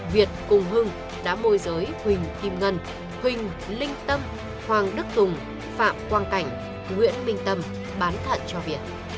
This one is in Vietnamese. việt cùng hưng đã môi giới huỳnh kim ngân huỳnh linh tâm hoàng đức tùng phạm quang cảnh nguyễn minh tâm bán thận cho việt